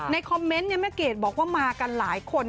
คอมเมนต์แม่เกดบอกว่ามากันหลายคน